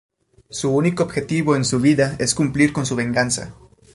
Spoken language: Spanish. Su único objetivo en su vida es cumplir con su venganza.